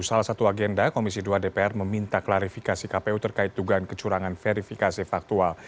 salah satu agenda komisi dua dpr meminta klarifikasi kpu terkait dugaan kecurangan verifikasi faktual